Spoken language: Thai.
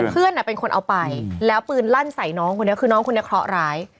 เพื่อนเป็นคนเอาไปแล้วปืนลั่นใส่น้องคนนี้คือน้องคนนี้เคราะห์ร้าย